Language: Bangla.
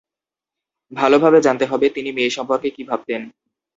ভালোভাবে জানতে হবে, তিনি মেয়ে সম্পর্কে কী ভাবতেন।